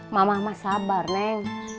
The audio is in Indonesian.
mama mah sabar neng